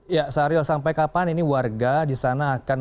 ya sahril sampai kapan ini warga di sana akan